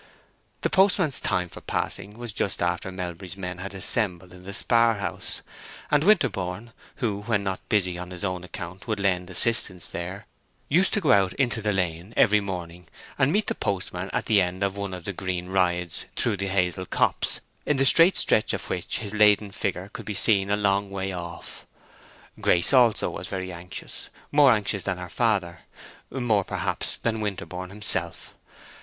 The postman's time for passing was just after Melbury's men had assembled in the spar house; and Winterborne, who when not busy on his own account would lend assistance there, used to go out into the lane every morning and meet the post man at the end of one of the green rides through the hazel copse, in the straight stretch of which his laden figure could be seen a long way off. Grace also was very anxious; more anxious than her father; more, perhaps, than Winterborne himself.